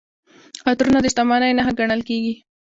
عطرونه د شتمنۍ نښه ګڼل کیږي.